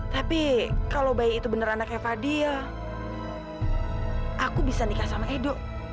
tapi kalau bayi itu beneran anaknya fadil ya aku bisa nikah sama edo